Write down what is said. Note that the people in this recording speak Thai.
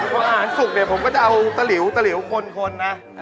พออาหารสุกผมก็จะเอาตะหลิวคนนะ